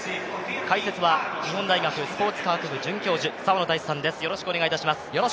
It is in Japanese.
解説は日本大学スポーツ科学部准教授、澤野大地さんです、よろしくお願いします。